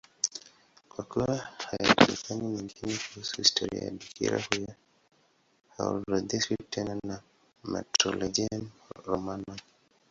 Kwa kuwa hayajulikani mengine kuhusu historia ya bikira huyo, haorodheshwi tena na Martyrologium Romanum.